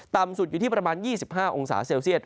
ต่ำสุดอยู่ที่ประมาณ๒๕องศาเซลเซียต